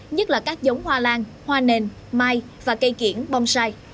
nhất là các giống hoa lan hoa nền mai và cây kiển bong sai